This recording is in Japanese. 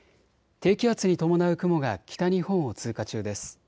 低気圧に伴う雲が北日本を通過中です。